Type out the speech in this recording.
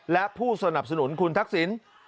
และผู้สนับสนุนคุณทักษิณ